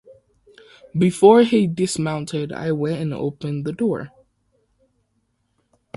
Before he dismounted, I went and opened the door.